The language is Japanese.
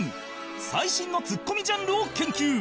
最新のツッコミジャンルを研究